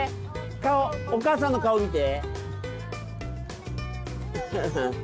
顔お母さんの顔を見て。